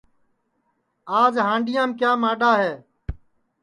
آج ھانڈؔیام کیا ماڈؔا ہے